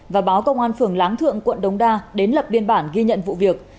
và báo công an phường láng thượng quận đồng đa đến lập viên bản ghi nhận vụ việc